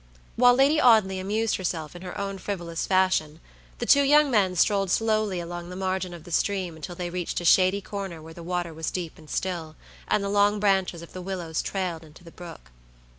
While Lady Audley amused herself in her own frivolous fashion, the two young men strolled slowly along the margin of the stream until they reached a shady corner where the water was deep and still, and the long branches of the willows trailed into the brook.